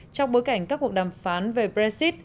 trong bối cảnh các cuộc đàm phán về brexit